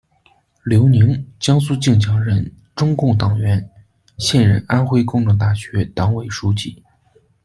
刘宁，江苏靖江人，中共党员，现任安徽工程大学党委书记。